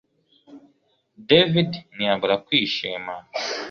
David ntiyabura kwishima